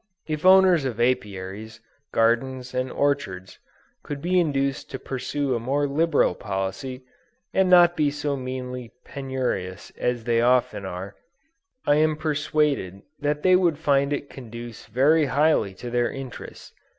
If owners of Apiaries, gardens and orchards, could be induced to pursue a more liberal policy, and not be so meanly penurious as they often are, I am persuaded that they would find it conduce very highly to their interests.